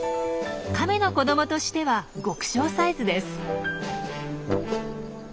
カメの子どもとしては極小サイズです。